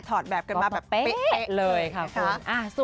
อดแบบกันมาแบบเป๊ะเลยนะคะ